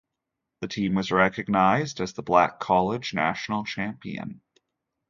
The team was recognized as the black college national champion.